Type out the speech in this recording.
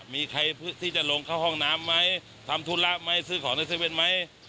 มีใครที่จะลงเข้าห้องน้ำไหมทำธุระไหมซื้อของใน๗๑๑ไหม